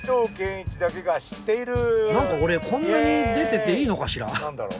なんか俺こんなに出てていいのかしら？